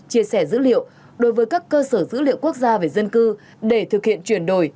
chia sẻ dữ liệu đối với các cơ sở dữ liệu quốc gia về dân cư để thực hiện chuyển đổi